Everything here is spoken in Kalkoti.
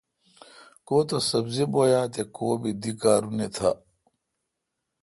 کوتو سبزی بویا تہ کو بی دی کارونی تھاں